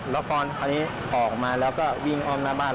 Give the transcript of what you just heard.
แล้วก็คราวนี้ออกมาแล้วก็วิ่งอ้อมหน้าบ้าน